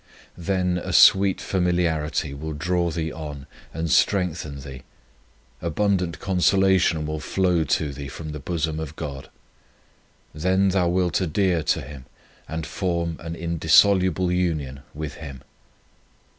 Then a sweet familiarity will draw thee on and strengthen thee, abundant consolation will flow to thee from the bosom of God. Then thou wilt adhere to Him and form an indissoluble union with Him.